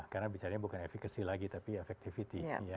karena bicara bukan efeksi lagi tapi efektiviti